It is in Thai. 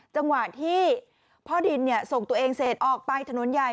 จังหวะที่พ่อดินส่งตัวเองเสร็จออกไปถนนใหญ่